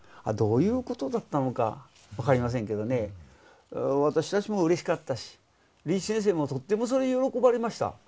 どういうことだったのか分かりませんけどね私たちもうれしかったしリーチ先生もとってもそれ喜ばれました。